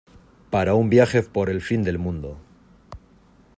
para un viaje por el fin del mundo